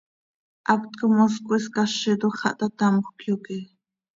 Haptco mos cöiscázitoj xah taa tamjöc, yoque.